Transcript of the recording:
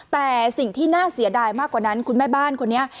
แต่สิ่งที่น่าเสียดายมากกว่านั้นคุณแม่บ้านคนนี้